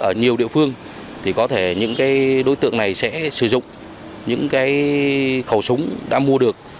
ở nhiều địa phương thì có thể những đối tượng này sẽ sử dụng những khẩu súng đã mua được